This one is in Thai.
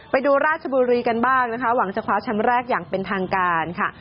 ไปดูราชบุรีกันบ้างนะคะหวังจะคว้าแชมป์แรกอย่างเป็นทางการค่ะ